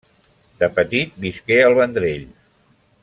De petit visqué al Vendrell.